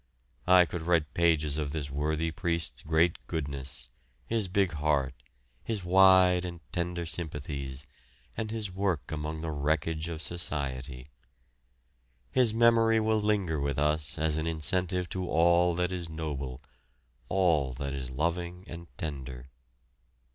I could write pages of this worthy priest's great goodness, his big heart, his wide and tender sympathies, and his work among the wreckage of society. His memory will linger with us as an incentive to all that is noble, all that is loving and tender.